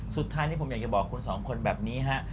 สุดท้ายนี้ผมอยากจะบอกคุณสองคนแบบนี้ฮะ